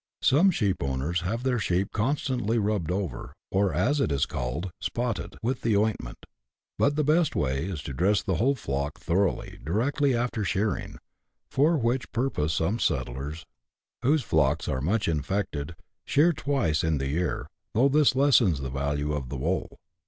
Some sheepowners have their sheep constantly rubbed over, or, as it is called, " spotted," with the ointment ; but the best way is to dress the whole flock tlioroughly directly after shearing ; for which purpose some settlers, whose flocks are much infected, shear twice in the year, though this lessens the value of the wool.